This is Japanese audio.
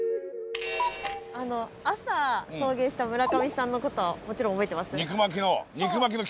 朝送迎した村上さんのこともちろん覚えてます？